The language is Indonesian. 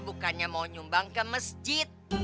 bukannya mau nyumbang ke masjid